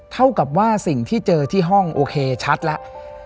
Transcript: เท่ากับว่าสิ่งที่เจอที่ห้องโอเคชัดแล้ว